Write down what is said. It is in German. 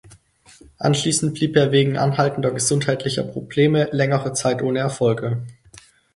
Anschließend blieb er wegen anhaltender gesundheitlicher Probleme längere Zeit ohne Erfolge.